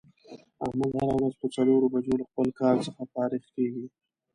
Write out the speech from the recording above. احمد هره روځ په څلور بجو له خپل کار څخه فارغ کېږي.